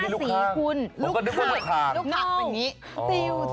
ลูกฆ่างนี่คือลูกฆ่าง๕สีคุณ